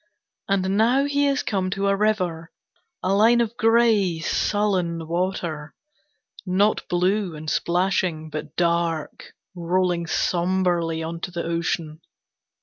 And now he is come to a river, a line of gray, sullen water, Not blue and splashing, but dark, rolling somberly on to the ocean.